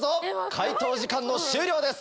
解答時間の終了です。